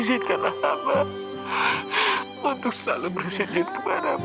izinkanlah amba untuk selalu bersyukur kepadamu